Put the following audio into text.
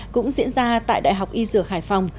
cũng diễn ra tại đại học y dược hải phòng